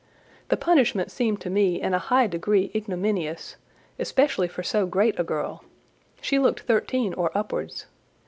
The punishment seemed to me in a high degree ignominious, especially for so great a girl—she looked thirteen or upwards.